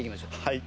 はい。